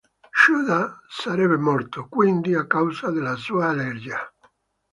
Xu Da sarebbe morto, quindi, a causa della sua allergia.